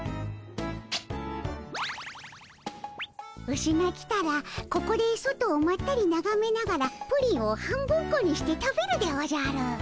ウシが来たらここで外をまったりながめながらプリンを半分こにして食べるでおじゃる。